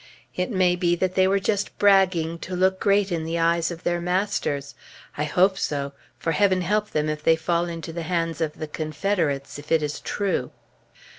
It may be that they were just bragging to look great in the eyes of their masters; I hope so, for Heaven help them if they fall into the hands of the Confederates, if it is true.